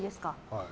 はい。